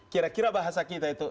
kira kira bahasa kita itu